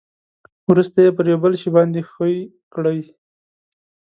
ورسته یې پر یو بل شي باندې ښوي کړئ.